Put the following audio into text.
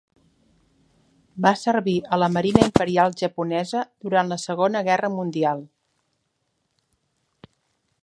Va servir a la Marina Imperial Japonesa durant la Segona Guerra Mundial.